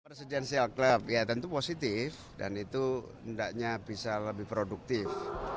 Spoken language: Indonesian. presidensial club ya tentu positif dan itu hendaknya bisa lebih produktif